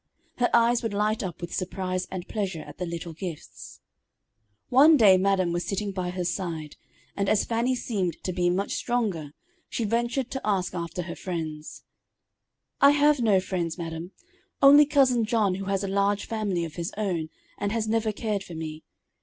Her eyes would light up with surprise and pleasure at the little gifts. [Illustration: In the Sick Room] One day madam was sitting by her side, and as Fanny seemed to be much stronger, she ventured to ask after her friends. "I have no friends, madam, only cousin John who has a large family of his own, and has never cared for me.